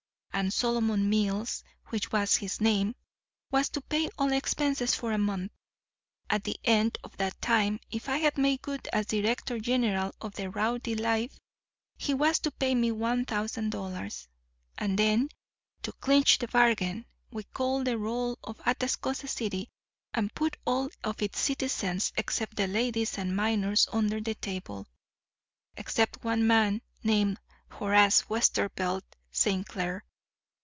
And Solomon Mills, which was his name, was to pay all expenses for a month. At the end of that time, if I had made good as director general of the rowdy life, he was to pay me one thousand dollars. And then, to clinch the bargain, we called the roll of Atascosa City and put all of its citizens except the ladies and minors under the table, except one man named Horace Westervelt St. Clair.